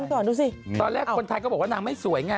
ตอนแรกคนไทยก็บอกว่าไม่สวย